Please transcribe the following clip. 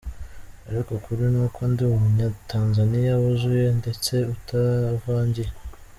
Ariko ukuri nuko ndi umunyatanzaniya wuzuye ndetse utavangiye”.